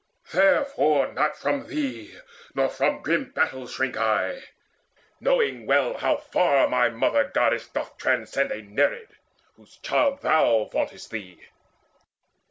Therefore not from thee Nor from grim battle shrink I, knowing well How far my goddess mother doth transcend A Nereid, whose child thou vauntest thee.